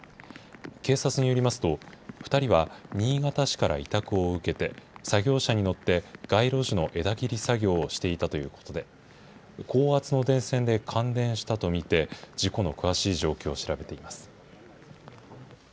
警察によりますと、２人は新潟市から委託を受けて、作業車に乗って街路樹の枝切り作業をしていたということで、高圧の電線で感電したと見て、事故の詳しい状況を調べています。